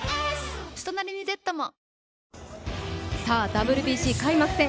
ＷＢＣ開幕戦。